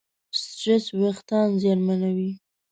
سټرېس وېښتيان زیانمنوي.